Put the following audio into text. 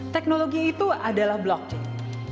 teknologi itu adalah blockchain